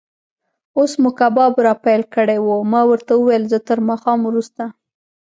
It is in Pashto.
اوس مو کباب را پیل کړی و، ما ورته وویل: زه تر ماښام وروسته.